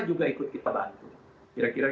juga ikut kita bantu kira kira